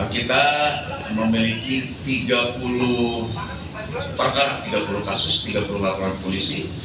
kita memiliki tiga puluh kasus tiga puluh laporan polisi